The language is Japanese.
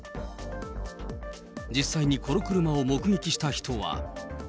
実際にこの車を目撃した人は。